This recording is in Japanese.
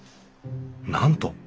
なんと！